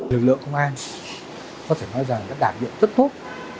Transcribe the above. lực lượng công an có thể nói rằng đã đảm nhiệm rất tốt